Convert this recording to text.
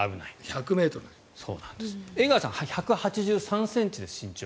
江川さん、１８３ｃｍです身長。